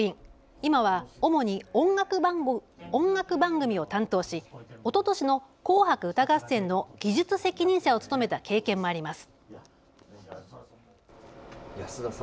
今は、主に音楽番組を担当しおととしの「紅白歌合戦」の技術責任者を務めた経験もあります。